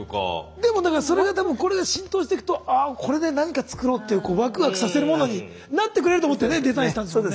でもだからそれが多分これが浸透していくとああこれで何か作ろうってワクワクさせるものになってくれると思ってねデザインしたんですもんね。